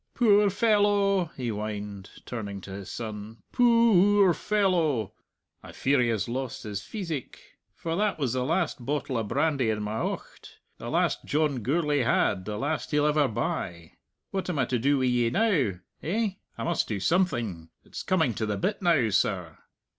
"Poor fellow!" he whined, turning to his son; "poo oor fellow! I fear he has lost his pheesic. For that was the last bottle o' brandy in my aucht; the last John Gourlay had, the last he'll ever buy. What am I to do wi' ye now?... Eh?... I must do something; it's coming to the bit now, sir."